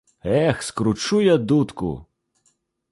Эх, скручу я дудку!